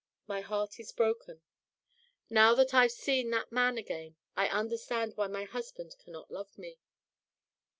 My heart is broken. Now that I've seen that man again I understand why my husband cannot love me.